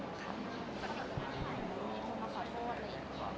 ต้องมาขอโทษอะไรเนี่ยก็